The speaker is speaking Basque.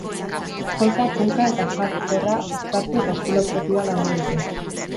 Folka, punka eta hard-core-a uztartu eta estilo propioa landu dute.